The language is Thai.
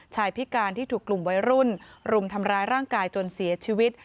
พิการที่ถูกกลุ่มวัยรุ่นรุมทำร้ายร่างกายจนเสียชีวิต